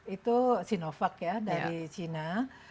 itu sinovac ya dari china